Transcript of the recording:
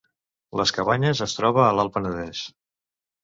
Les Cabanyes es troba a l’Alt Penedès